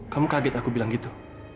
kamu kaget aku bilang gitu